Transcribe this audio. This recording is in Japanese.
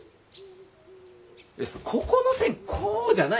ここの線こうじゃない。